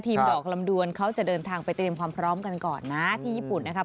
ดอกลำดวนเขาจะเดินทางไปเตรียมความพร้อมกันก่อนนะที่ญี่ปุ่นนะครับ